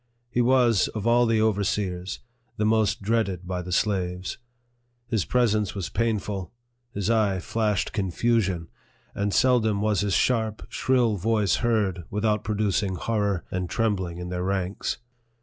He was, of all the overseers, the most dreaded by the slaves. His presence was painful ; his eye flashed confusion ; and seldom was his sharp, shrill voice heard, without producing horror and trem bling in their ranks.